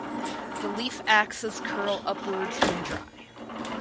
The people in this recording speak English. The leaf axes curl upwards when dry.